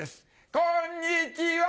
こんにちは！